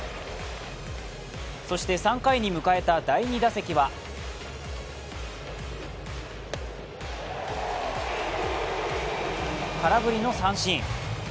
そして３回に迎えた第２打席は空振りの三振。